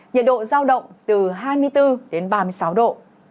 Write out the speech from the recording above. nhiệt độ giao động từ hai mươi bốn đến ba mươi sáu độ